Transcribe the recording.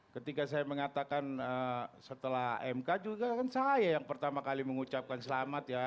ketika saya mengatakan setelah mk juga kan saya yang pertama kali mengucapkan selamat ya